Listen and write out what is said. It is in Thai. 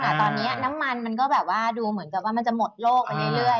แต่ตอนนี้น้ำมันมันก็แบบว่าดูเหมือนกับว่ามันจะหมดโลกไปเรื่อย